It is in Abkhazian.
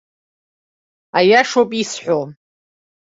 Аиашоуп исҳәо.